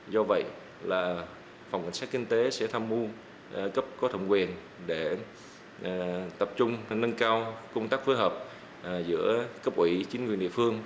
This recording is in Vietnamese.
do vậy là phòng cảnh sát kinh tế sẽ tham mưu cấp có thẩm quyền để tập trung nâng cao công tác phối hợp giữa cấp ủy chính quyền địa phương